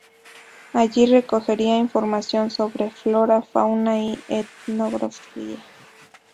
Allí recogería información sobre flora, fauna y etnografía.